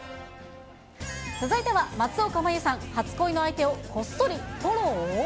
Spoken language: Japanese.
続いては、松岡茉優さん、初恋の相手をこっそりフォロー？